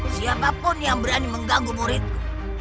siapapun yang berani mengganggu muridku